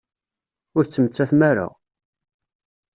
Ur tettmettatem ara!